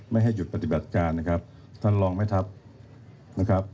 ไม่ให้หยุดปฏิบัติการนะครับท่านลองไม่ทับนะครับ